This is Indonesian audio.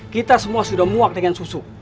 kita semua sudah muak dengan susu